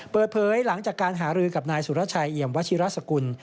เปิดเผยหลังจากการหารือกับนายสุรชัยเอี่ยมวชิระสกุล